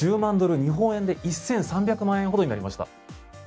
日本円で１３００万円ほどになりました。